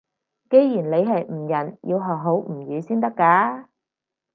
既然你係吳人，要學好吳語先得㗎